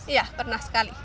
iya pernah sekali